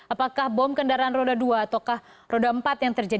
apakah bom kendaraan roda dua ataukah roda empat yang terjadi